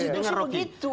sejarah konstitusi begitu